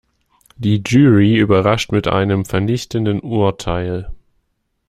Die Jury überrascht mit einem vernichtenden Urteil.